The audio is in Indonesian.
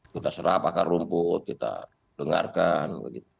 kita serap akan rumput kita dengarkan